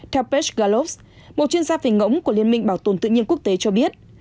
theo pech galops một chuyên gia về ngỗng của liên minh bảo tồn tự nhiên quốc tế cho biết